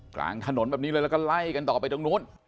กลางถนนแบบนี้เลยแล้วก็ไล่กันต่อไปตรงนู้น